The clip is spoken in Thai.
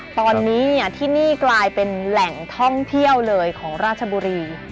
ตอนนี้ที่นี่กลายเป็นแหล่งท่องเที่ยวเลยของราชบุรี